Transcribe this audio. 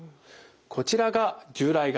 こちらが従来型。